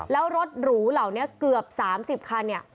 แล้วรถหรูเหล่านี้เกือบ๓๐คันเนี่ย